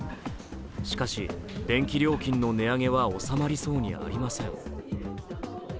しかし、電気料金の値上げは収まりそうにありません。